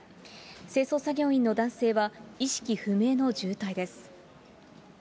清掃作業員の男性は、意識不明の重体です。